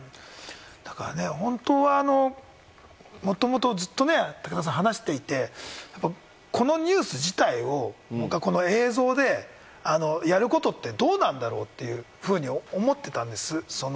本当はもともとずっとね、武田さん、話していて、このニュース自体を、この映像でやることってどうなんだろう？というふうに思ってたんです。